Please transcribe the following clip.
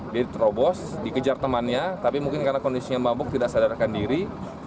dia terobos dikejar temannya tapi mungkin karena kondisinya mabuk tidak sadarkan diri